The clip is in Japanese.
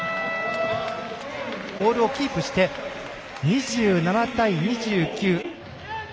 ボールをキープして２７対２９。